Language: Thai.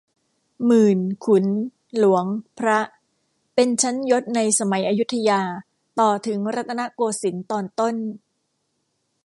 หมื่น ขุน หลวง พระ เป็นชั้นยศในสมัยอยุธยาต่อถึงรัตนโกสินทร์ตอนต้น